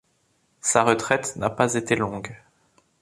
Sa retraite n'a pas été longue.